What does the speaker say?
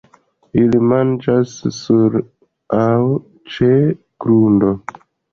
Ili manĝas sur aŭ ĉe grundo.